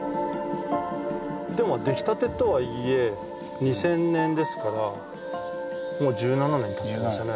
でも出来たてとはいえ２０００年ですからもう１７年たってますよね。